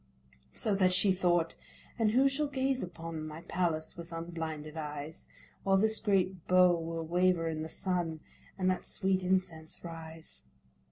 So that she thought, "And who shall gaze upon My palace with unblinded eyes, While this great bow will waver in the sun, And that sweet incense rise?"